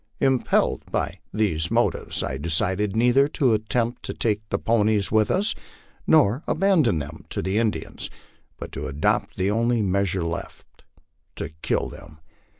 Impelled by these motives, I decided neither to attempt to take the ponies with us nor to abandon them to the Indians, but to adopt the only measure left to kill them.